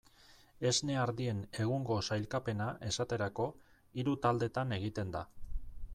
Esne ardien egungo sailkapena, esaterako, hiru taldetan egiten da.